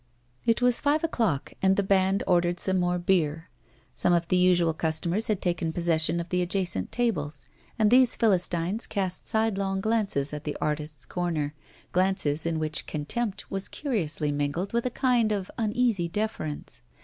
It was five o'clock, and the band ordered some more beer. Some of the usual customers had taken possession of the adjacent tables, and these philistines cast sidelong glances at the artists' corner, glances in which contempt was curiously mingled with a kind of uneasy deference.